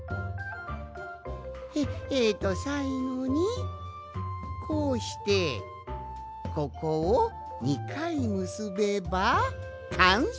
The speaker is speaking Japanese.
えとさいごにこうしてここを２かいむすべばかんせいじゃ。